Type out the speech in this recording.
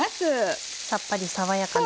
さっぱり爽やかな。